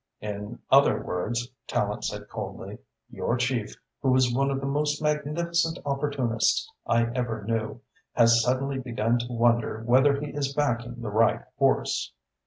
"In other words," Tallente said coldly, "your chief, who is one of the most magnificent opportunists I ever knew, has suddenly begun to wonder whether he is backing the right horse."